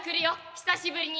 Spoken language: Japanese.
久しぶりに。